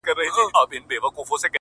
لږ دي د حُسن له غروره سر ور ټیټ که ته,